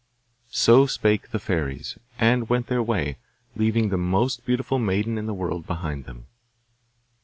So spake the fairies, and went their way, leaving the most beautiful maiden in the world behind them.